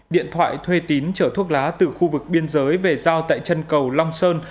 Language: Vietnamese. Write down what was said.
điện thoại thuê tín chở thuốc lá từ khu vực biên giới về giao tại chân cầu long sơn